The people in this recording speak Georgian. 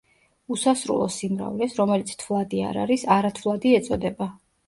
უსასრულო სიმრავლეს, რომელიც თვლადი არ არის, არათვლადი ეწოდება.